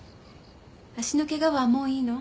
脚のケガはもういいの？